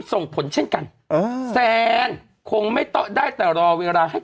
ส่งผลเช่นกันเออแซนคงไม่โต๊ะได้แต่รอเวลาให้